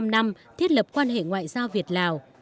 bảy mươi năm năm thiết lập quan hệ ngoại giao việt lào